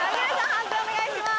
判定お願いします。